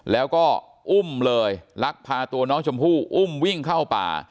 แล้วก็อุ้มเลยลักพาตัวน้องชมพู่อุ้มวิ่งเข้าป่า